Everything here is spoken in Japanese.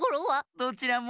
どちらも。